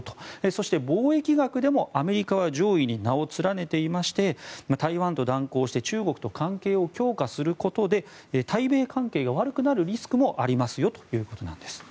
そして、貿易額でもアメリカは上位に名を連ねていまして台湾と断交して中国と関係を強化することで対米関係が悪くなるリスクもありますよということです。